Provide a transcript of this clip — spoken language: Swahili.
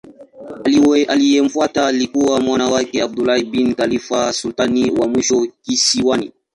Aliyemfuata alikuwa mwana wake Abdullah bin Khalifa sultani wa mwisho kisiwani.